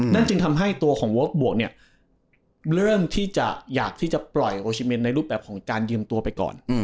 จึงทำให้ตัวของเวิร์คบวกเนี่ยเริ่มที่จะอยากที่จะปล่อยโอชิเมนในรูปแบบของการยืมตัวไปก่อน